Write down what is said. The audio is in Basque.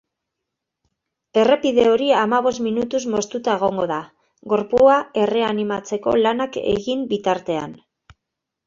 Errepide hori hamabost minutuz moztuta egon da, gorpua erreanimatzeko lanak egin bitartean.